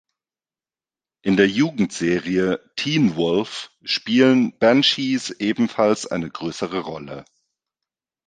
In der Jugendserie Teen Wolf spielen Banshees ebenfalls eine größere Rolle.